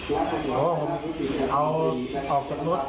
อืมอ๋อเอาออกจากลัว